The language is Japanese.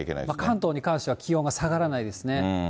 関東に関しては気温が下がらないですね。